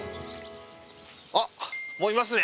あっもういますね。